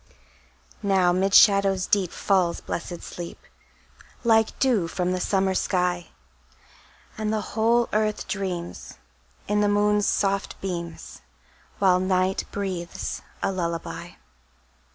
Now 'mid shadows deep Falls blessed sleep, Like dew from the summer sky; And the whole earth dreams, In the moon's soft beams, While night breathes a lullaby.